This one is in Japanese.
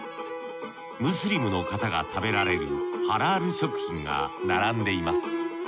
ムスリムの方が食べられるハラール食品が並んでいます。